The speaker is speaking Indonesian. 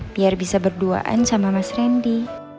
biar bisa berduaan sama mas randy